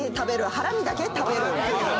ハラミだけ食べる。